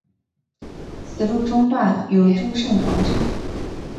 此路中段有诸圣广场。